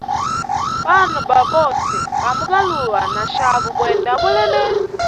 Bana Babose bamugaluwa na shabo bwenda ubulimi.